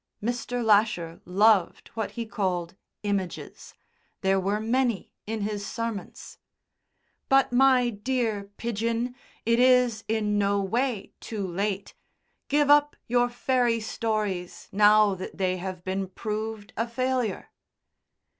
(Mr. Lasher loved what he called "images." There were many in his sermons.) "But, my dear Pidgen, it is in no way too late. Give up your fairy stories now that they have been proved a failure."